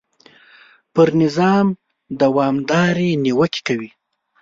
پر نظام دوامدارې نیوکې کوي.